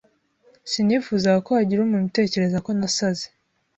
Sinifuzaga ko hagira umuntu utekereza ko nasaze.